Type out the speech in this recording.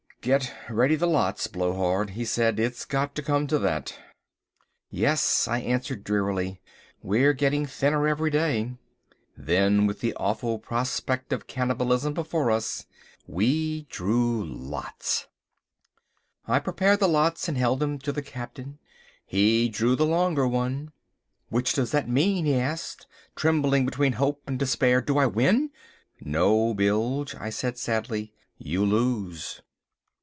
"Get ready the lots, Blowhard," he said. "It's got to come to that." "Yes," I answered drearily, "we're getting thinner every day." Then, with the awful prospect of cannibalism before us, we drew lots. I prepared the lots and held them to the Captain. He drew the longer one. "Which does that mean," he asked, trembling between hope and despair. "Do I win?" "No, Bilge," I said sadly, "you lose."